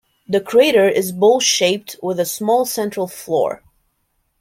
The crater is bowl-shaped with a small central floor.